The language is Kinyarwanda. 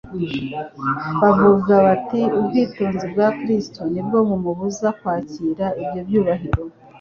Baravuga bati : Ubwitonzi bwa Kristo nibwo bumubuza kwakira ibyo byubahiro.